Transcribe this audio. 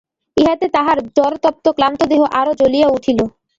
ইহাতে তাহার জ্বরতপ্ত ক্লান্ত দেহ আরো জ্বলিয়া উঠিল।